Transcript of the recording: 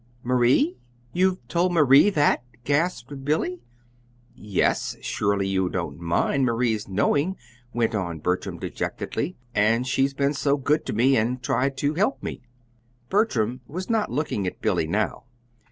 "Marie! You've told Marie that?" gasped Billy. "Yes. Surely you don't mind Marie's knowing," went on Bertram, dejectedly. "And she's been so good to me, and tried to help me." Bertram was not looking at Billy now.